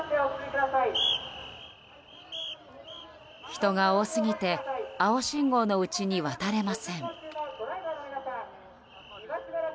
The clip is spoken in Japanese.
人が多すぎて青信号のうちに渡れません。